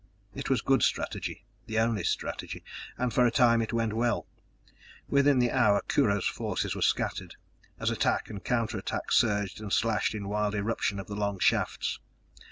It was good strategy, the only strategy and for a time it went well. Within the hour Kurho's forces were scattered, as attack and counter attack surged and slashed in wild eruption of the long shafts.